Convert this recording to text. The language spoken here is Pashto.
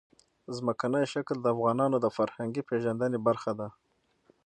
ځمکنی شکل د افغانانو د فرهنګي پیژندنې برخه ده.